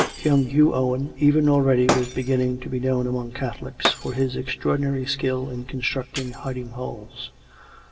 Young Hugh Owen even already was beginning to be known among Catholics, for his extraordinary skill in con structing hiding holes.